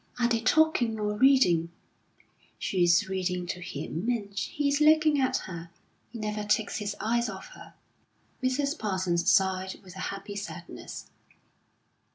"Are they talking or reading?" "She's reading to him, and he's looking at her. He never takes his eyes off her." Mrs. Parsons sighed with a happy sadness.